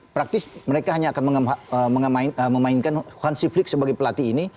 praktis mereka hanya akan memainkan hansi frik sebagai pelatih ini